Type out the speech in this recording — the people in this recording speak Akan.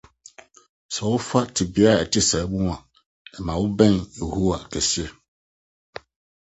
Sɛ wofa tebea a ɛte saa mu a, ɛma wobɛn Yehowa kɛse.